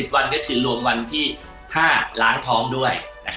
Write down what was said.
วันก็คือรวมวันที่๕ล้างท้องด้วย